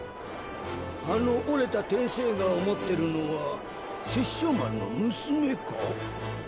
あの折れた天生牙を持ってるのは殺生丸の娘か？